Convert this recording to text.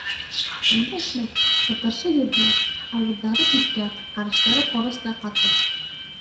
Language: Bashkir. Өндәшмәҫ, ҡытыршы йөҙҙәр, ауыҙҙары кипкән, ҡараштары ҡоростай ҡаты.